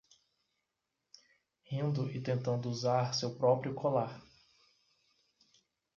Rindo e tentando usar seu próprio colar